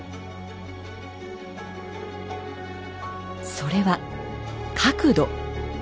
それは角度。